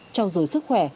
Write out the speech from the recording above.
trong dối sức khỏe